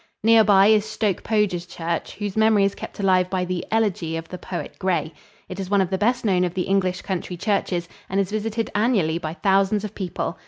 Near by is Stoke Poges church, whose memory is kept alive by the "Elegy" of the poet Gray. It is one of the best known of the English country churches and is visited annually by thousands of people.